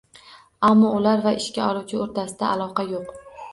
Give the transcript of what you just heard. Ammo ular va ishga oluvchi o‘rtasida aloqa yo‘q.